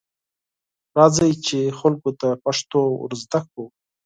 راځئ، چې خلکو ته پښتو ورزده کړو.